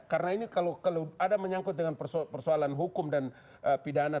karena ini kalau ada menyangkut dengan persoalan hukum dan pidana